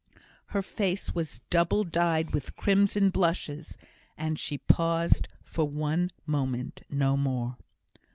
Her face was double dyed with crimson blushes, and she paused for one moment no more.